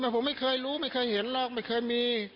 ผมไม่เคยรู้ไม่เคยเห็นหรอกไม่เคยมี